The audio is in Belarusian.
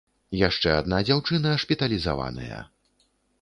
Яшчэ адна дзяўчына шпіталізаваная.